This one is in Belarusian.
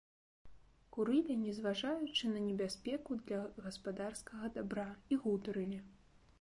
Курылі, не зважаючы на небяспеку для гаспадарскага дабра, і гутарылі.